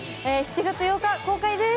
７月８日公開です